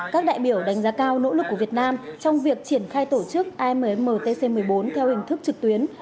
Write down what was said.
các đại biểu đánh giá cao nỗ lực của việt nam trong việc triển khai tổ chức ammtc một mươi bốn theo hình thức trực tuyến